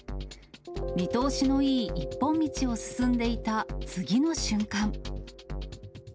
見通しのいい一本道を進んでいた次の瞬間。